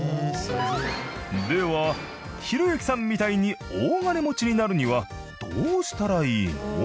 ではひろゆきさんみたいに大金持ちになるにはどうしたらいいの？